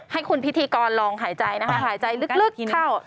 ให้คุณพิธีกรลองหายใจนะคะหายใจลึกเข้า